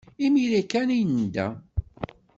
Imir-a kan ay nedda.